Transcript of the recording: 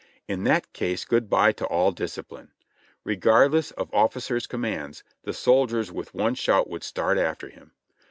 In that case good by to all discipline. Regardless of officers' com mands, the soldiers with one shout would start after him.